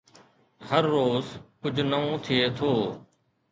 هر روز ڪجهه نئون ٿئي ٿو